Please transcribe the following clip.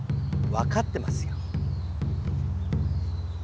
わかってますよ。